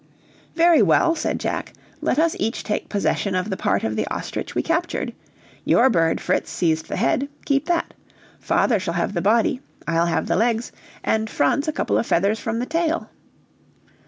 "Very well," said Jack, "let us each take possession of the part of the ostrich we captured. Your bird, Fritz, seized the head, keep that; father shall have the body, I'll have the legs, and Franz a couple of feathers from the tail."